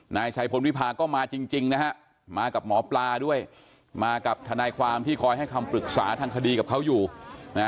นายชัยพลวิพาก็มาจริงนะฮะมากับหมอปลาด้วยมากับทนายความที่คอยให้คำปรึกษาทางคดีกับเขาอยู่นะฮะ